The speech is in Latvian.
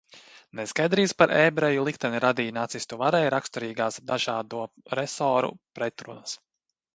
Neskaidrību par ebreju likteni radīja nacistu varai raksturīgās dažādo resoru pretrunas.